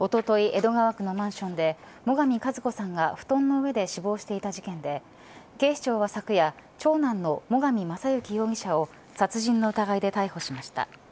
江戸川区のマンションで最上和子さんが布団の上で死亡していた事件で警視庁は昨夜長男の最上正幸容疑者を殺人の疑いで逮捕しました。